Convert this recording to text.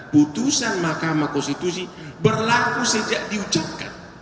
putusan mahkamah konstitusi berlaku sejak diucapkan